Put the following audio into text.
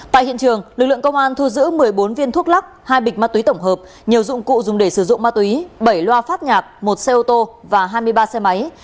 tại hiện trường lực lượng công an thu giữ một mươi bốn viên thuốc lắc hai bịch ma túy tổng hợp nhiều dụng cụ dùng để sử dụng ma túy bảy loa phát nhạc một xe ô tô và hai mươi ba xe máy